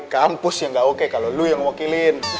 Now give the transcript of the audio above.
kampus yang gak oke kalau lo yang wakilin